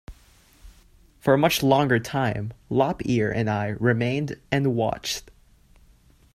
For a much longer time Lop-Ear and I remained and watched.